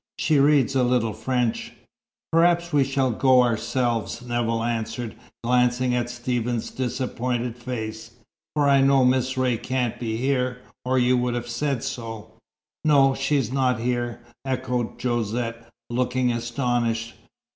She reads a little French." "Perhaps we shall go ourselves," Nevill answered, glancing at Stephen's disappointed face. "For I know Miss Ray can't be here, or you would have said so." "No, she is not here," echoed Josette, looking astonished.